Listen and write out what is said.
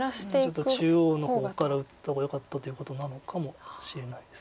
ちょっと中央の方から打った方がよかったということなのかもしれないです。